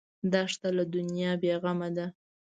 دښته له دنیا بېغمه ده.